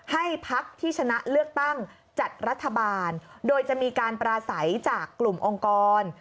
ให้พักที่ชนะเลือกตั้งจัดรัฐบาลโดยจะมีการปราศัยจากกลุ่มองค์กร